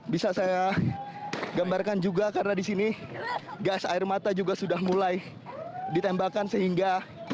bisa saya gambarkan juga karena di sini gas air mata juga sudah mulai ditembakkan sehingga